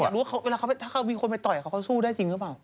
แต่อยากรู้ว่าถ้าเขามีคนไปต่อยเขาก็สู้ได้จริงหรือเปล่า